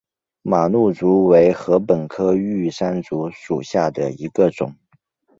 马鹿竹为禾本科玉山竹属下的一个种。